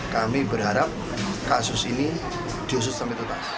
kami berharap kasus ini diusut sampai total